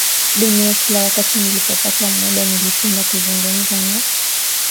dunia Kila wakati nilipopata muda nilipenda kuzungumza na